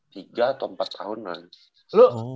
tiga atau empat tahun lah